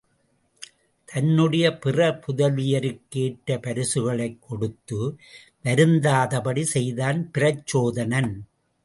தன்னுடைய பிற புதல்வியருக்கு ஏற்ற பரிசுகளைக் கொடுத்து வருந்தாதபடி செய்தான் பிரச்சோதனன்.